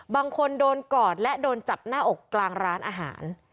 บางคนโดนกอดและโดนจับหน้าอกกลางร้านอาหาร